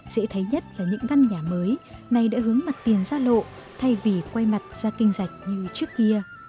dễ thấy nhất là những ngăn nhà mới này đã hướng mặt tiền ra lộ thay vì quay mặt ra kinh dạch như trước kia